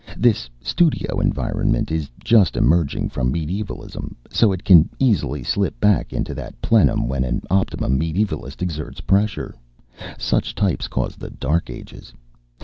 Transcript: This studio environment is just emerging from medievalism, so it can easily slip back into that plenum when an optimum medievalist exerts pressure. Such types caused the Dark Ages.